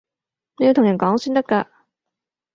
你要同人講先得㗎